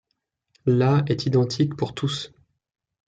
La est identique pour tous.